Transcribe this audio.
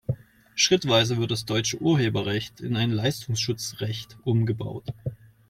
Schrittweise wird das deutsche Urheberrecht in ein Leistungsschutzrecht umgebaut.